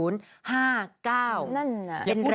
นั่นนะ